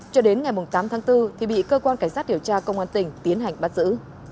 cho đến ngày tám tháng bốn thì bị cơ quan cảnh sát điều tra công an tỉnh tiến hành bắt giữ